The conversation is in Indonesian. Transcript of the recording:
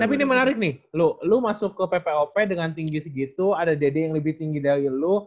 tapi ini menarik nih lu lo masuk ke ppop dengan tinggi segitu ada dd yang lebih tinggi dari lu